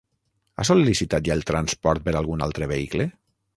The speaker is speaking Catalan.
Ha sol·licitat ja el transport per algun altre vehicle?